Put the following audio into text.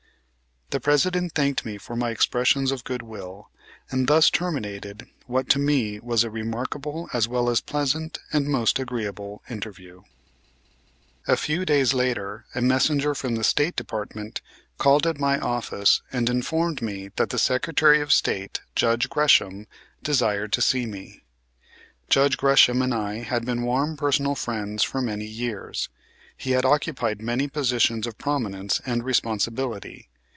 The President thanked me for my expressions of good will, and thus terminated what to me was a remarkable as well as a pleasant and most agreeable interview. A few days later a messenger from the State Department called at my office and informed me that the Secretary of State, Judge Gresham, desired to see me. Judge Gresham and I had been warm personal friends for many years. He had occupied many positions of prominence and responsibility.